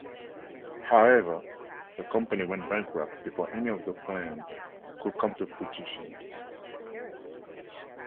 However, the company went bankrupt before any of the plans could come to fruition.